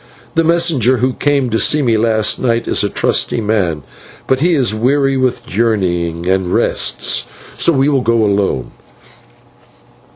The messenger who came to see me last night is a trusty man, but he is weary with journeying, and rests, so we will go alone."